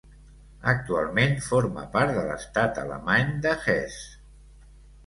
Actualment forma part de l"estat alemany de Hesse.